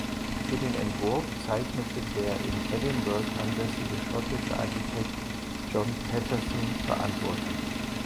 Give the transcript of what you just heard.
Für den Entwurf zeichnet der in Edinburgh ansässige schottische Architekt John Paterson verantwortlich.